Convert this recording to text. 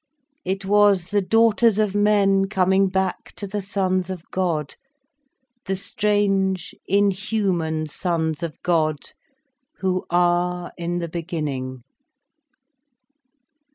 It was the daughters of men coming back to the sons of God, the strange inhuman sons of God who are in the beginning.